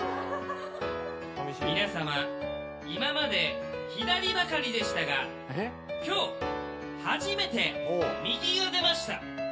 皆さま今まで左ばかりでしたが今日初めて右が出ました。